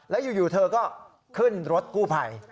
แล้วอยู่เธอก็ขึ้นรถกู้ภัย